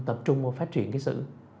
tập trung vào phát triển sự